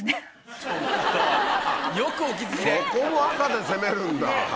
そこも赤で攻めるんだ。